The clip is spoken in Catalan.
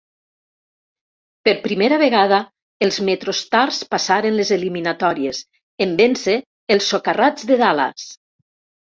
Per primera vegada, els MetroStars passaren les eliminatòries, en vèncer els "Socarrats" de Dallas.